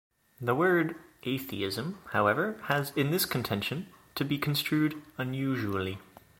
The word 'atheism', however, has in this contention to be construed unusually.